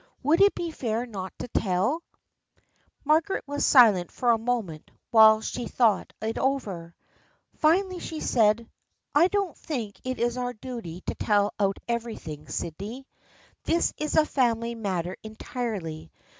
Would it be fair not to tell ?" Margaret was silent for a moment while she thought it over. Finally she said :" I don't think it is our duty to tell out everything, Sydney. This is a family matter entirely.